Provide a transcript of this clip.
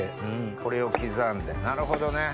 これを刻んでなるほどね。